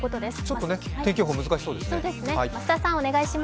ちょっと天気予報難しそうですね。